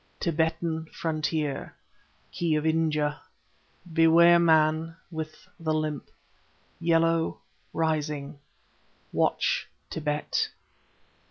Tibetan frontier ... Key of India. Beware man ... with the limp. Yellow ... rising. Watch Tibet